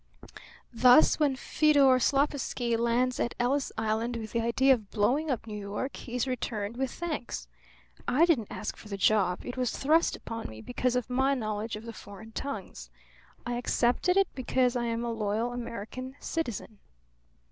Thus, when Feodor Slopeski lands at Ellis Island with the idea of blowing up New York, he is returned with thanks. I didn't ask for the job; it was thrust upon me because of my knowledge of the foreign tongues. I accepted it because I am a loyal American citizen."